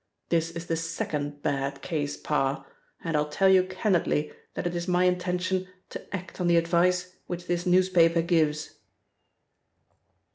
This is the second bad case, Parr, and I'll tell you candidly that it is my intention to act on the advice which this newspaper gives."